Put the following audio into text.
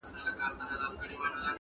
د جینکیو ارمان څۀ ته وایي.